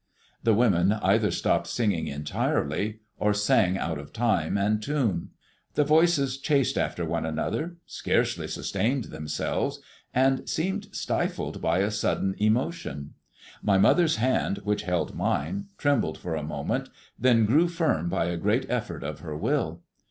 The women either stopped singing entirely, or sang out of time and tune; the voices chased after one another, scarcely sustained themselves, and seemed stifled by a sudden emotion. My mother's hand, which held mine, trembled for a moment, then grew firm by a great effort of her will.